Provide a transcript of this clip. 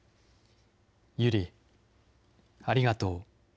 友梨、ありがとう。